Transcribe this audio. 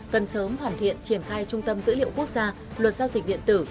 cần sớm hoàn thiện triển khai trung tâm dữ liệu quốc gia luật giao dịch điện tử